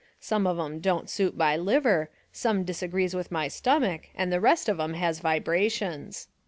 Some of 'em don't suit my liver, some disagrees with my stomach, and the rest of 'em has vibrations.'